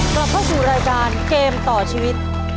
กลับเข้าสู่รายการเกมต่อชีวิต